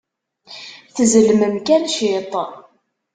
Tzelmem kan ciṭ.